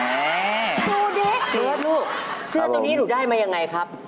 เสื้อตัวนี้หรูได้มาอย่างไรครับ